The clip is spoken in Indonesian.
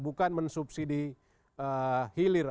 bukan mensubsidi hilir